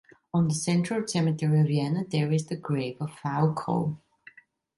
On the central cemetery of Vienna there is the grave of Falco.